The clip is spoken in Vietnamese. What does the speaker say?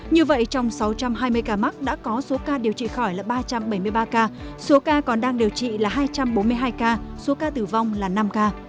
như vậy trong sáu trăm hai mươi ca mắc đã có số ca điều trị khỏi là ba trăm bảy mươi ba ca số ca còn đang điều trị là hai trăm bốn mươi hai ca số ca tử vong là năm ca